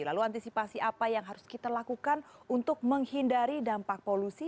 lalu antisipasi apa yang harus kita lakukan untuk menghindari dampak polusi